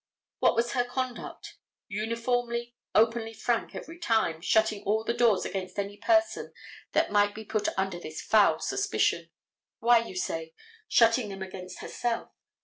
What was her conduct? Uniformly, openly frank every time, shutting all the doors against any person that might be put under this foul suspicion. Why, you say, shutting them against herself.